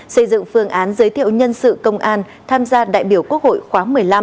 xây dựng phương án giới thiệu nhân sự công an tham gia đại biểu quốc hội khóa một mươi năm